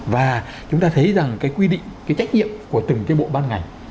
và chúng ta thấy rằng cái quy định cái trách nhiệm của từng cái bộ ban ngành